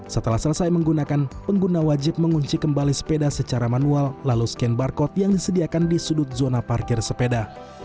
setelah selesai menggunakan pengguna wajib mengunci kembali sepeda secara manual lalu scan barcode yang disediakan di sudut zona parkir sepeda